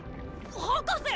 博士！